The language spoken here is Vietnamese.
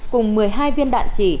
cùng một mươi hai viên đạn chỉ